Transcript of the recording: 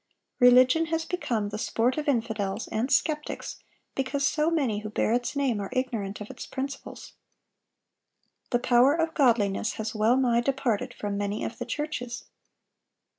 Religion has become the sport of infidels and skeptics because so many who bear its name are ignorant of its principles. The power of godliness has well nigh departed from many of the churches.